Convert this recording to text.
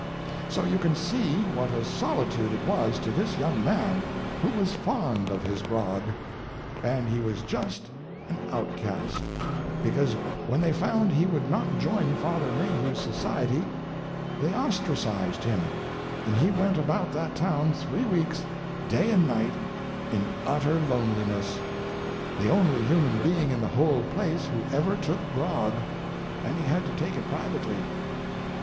"So you can see what a solitude it was to this young man, who was fond of his grog. And he was just an outcast, because when they found he would not join Father Mathew's Society they ostracized him, and he went about that town three weeks, day and night, in utter loneliness—the only human being in the whole place who ever took grog, and he had to take it privately.